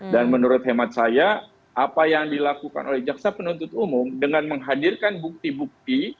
dan menurut hemat saya apa yang dilakukan oleh jaksa penuntut umum dengan menghadirkan bukti bukti